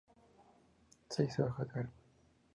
Seis Hojas de Álbum.